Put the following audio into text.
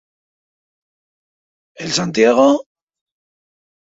El Santiago?